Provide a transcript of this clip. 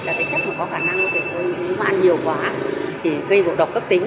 là những chất có khả năng có thể gây bộ độc cấp tính